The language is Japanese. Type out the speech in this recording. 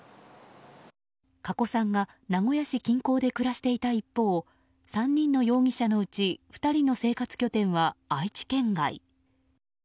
加古さんが名古屋市近郊で暮らしていた一方３人の容疑者のうち２人の生活拠点は愛知県外。